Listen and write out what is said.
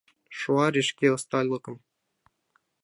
Шуаре шке усталыкым.